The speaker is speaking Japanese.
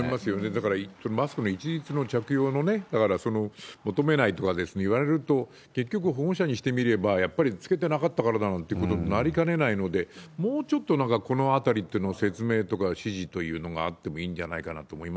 確かにマスクの一律の着用もね、だから求めないとかいわれると、結局、保護者にしてみれば、やっぱりつけてなかったということになりかねないので、もうちょっとなんか、このあたりの説明というか、指示というのがあってもそうですね。